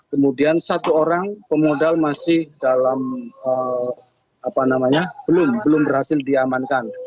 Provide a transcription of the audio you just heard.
kemudian satu orang pemodal masih dalam belum berhasil diamankan